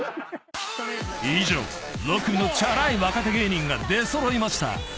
［以上６組のチャラい若手芸人が出揃いました］